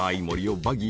バギー